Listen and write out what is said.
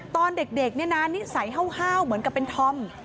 ตอนเด็กนานนิสัยเห่าเหมือนกับเป็นธอม